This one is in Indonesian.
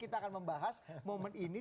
kita akan membahas momen ini